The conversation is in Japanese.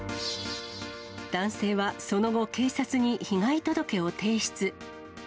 男性はその後、警察に被害届を提出。